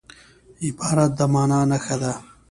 عبارت د مانا نخښه ده.